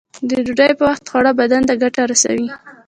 د ډوډۍ په وخت خوړل بدن ته ګټه رسوی.